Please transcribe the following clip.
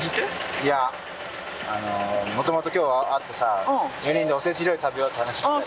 いやもともと今日会ってさ４人でお節料理食べようって話してたじゃん。